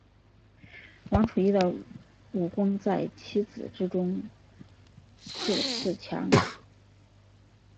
王处一的武功在七子之中数次强。